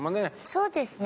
そうですね。